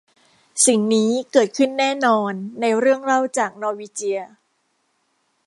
สิ่งนี้เกิดขึ้นแน่นอนในเรื่องเล่าจากนอร์วีเจีย